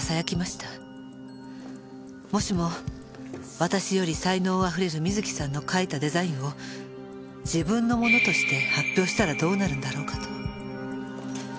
もしも私より才能あふれる瑞希さんの描いたデザインを自分のものとして発表したらどうなるんだろうかと。